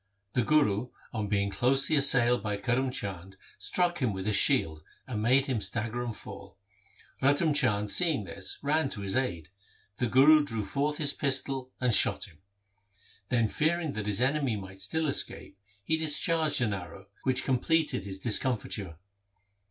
The Guru on being closely assailed by Karm Chand struck him with his shield and made him stagger and fall. Ratan Chand seeing this ran to his aid. The Guru drew forth his pistol and shot him. Then fearing that his enemy might still escape, he dis charged an arrow, which completed his discom fiture.